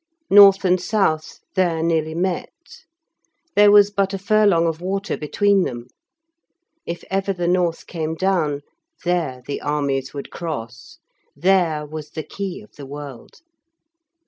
North and South there nearly met. There was but a furlong of water between them. If ever the North came down there the armies would cross. There was the key of the world.